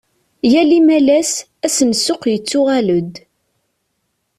Yal imalas, ass n ssuq yettuɣal-d.